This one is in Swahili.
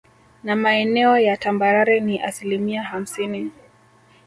Na maeneo ya tambarare ni asilimia hamsini